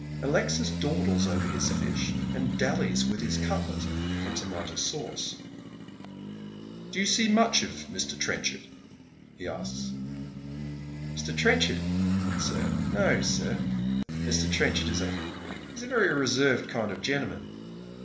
Alexis dawdles over his fish, and dalUes with his cutlet and tomato sauce. " Do you see much of Mr. Trenchard ?" he asks. "Mr. Trenchard, sir? No, sir. Mr. Trenchard is a very re served kind of gentleman.